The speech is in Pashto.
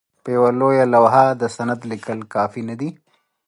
په یوه لوحه د سند لیکل کافي نه دي.